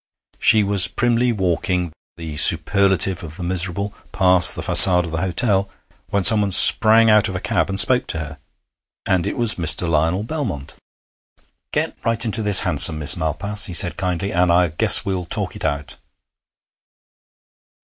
She was primly walking, the superlative of the miserable, past the façade of the hotel, when someone sprang out of a cab and spoke to her. And it was Mr. Lionel Belmont. 'Get right into this hansom, Miss Malpas,' he said kindly, 'and I guess we'll talk it out.'